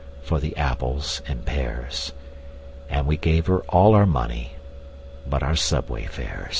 for the apples and pears, And we gave her all our money but our subway fares.